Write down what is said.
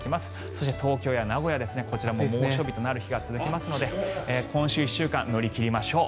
そして、東京や名古屋、こちらも猛暑日となる日が続きますので今週１週間乗り切りましょう。